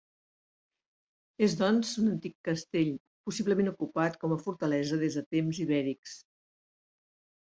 És, doncs, un antic castell, possiblement ocupat com a fortalesa des de temps ibèrics.